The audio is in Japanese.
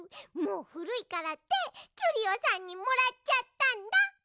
もうふるいからってキュリオさんにもらっちゃったんだ！